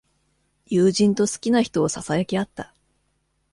友人と好きな人をささやき合った。